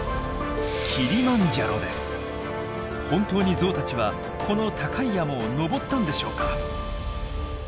本当にゾウたちはこの高い山を登ったんでしょうか？